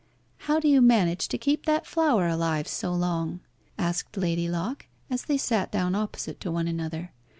"How do you manage to keep that flower alive so long?" asked Lady Locke, as they sat down opposite to one another.